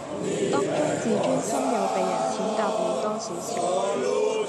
當中自尊心又被人踐踏了多少次